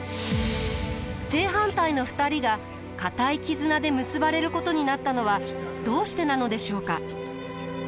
正反対の２人が固い絆で結ばれることになったのはどうしてなのでしょうか？